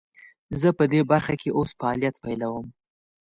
زه پدي برخه کې اوس فعالیت پیلوم.